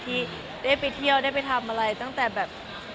ที่ได้ไปเที่ยวได้ไปทำอะไรตั้งแต่แบบ